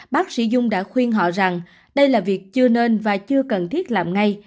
bác sĩ dung đã khuyên họ rằng đây là việc chưa nên và chưa cần thiết làm ngay